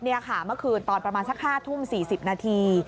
นี่ค่ะเมื่อคืนตอนประมาณสัก๕ทุ่ม๔๐นาที